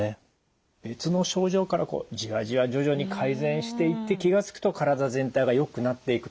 別の症状からじわじわ徐々に改善していって気が付くと体全体がよくなっていくと。